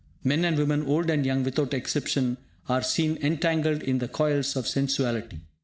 Men and women, old and young, without exception, are seen entangled in the coils of sensuality.